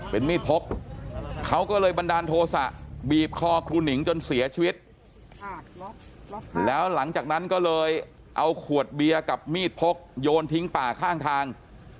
เป็นมีดพกเขาก็เลยบันดาลโทษะบีบคอครูหนิงจนเสียชีวิตแล้วหลังจากนั้นก็เลยเอาขวดเบียร์กับมีดพกโยนทิ้งป่าข้างทาง